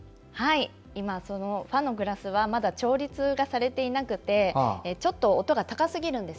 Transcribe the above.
今、ファのグラスはまだ調律がされていなくてちょっと音が高すぎるんです。